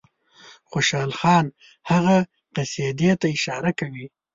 خوشحال خان هغه قصیدې ته اشاره کوي.